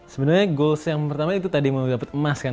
sebenernya goals yang pertama itu tadi mau dapet emas kan